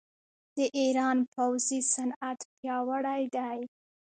د ایران پوځي صنعت پیاوړی دی.